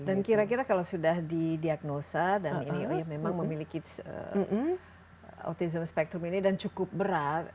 dan kira kira kalau sudah di diagnosa dan memang memiliki autism spectrum ini dan cukup berat